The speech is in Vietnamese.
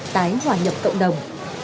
tái hòa nhập cộng đồng